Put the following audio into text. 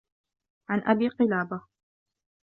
عَنْ أَبِي قِلَابَةَ